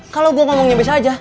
kalau gue ngomongnya bisa aja